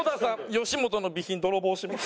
吉本の備品泥棒してます。